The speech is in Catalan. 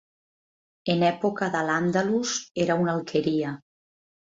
En època d'al-Àndalus era una alqueria.